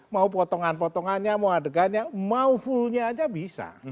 mau potongan potongannya mau adegannya mau fullnya aja bisa